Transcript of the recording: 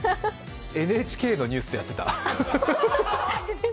ＮＨＫのニュースでやってた。